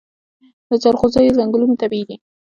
د جلغوزیو ځنګلونه طبیعي دي؟